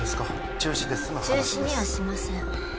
中止にはしません